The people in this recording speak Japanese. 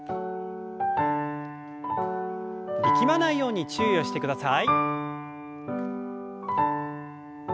力まないように注意をしてください。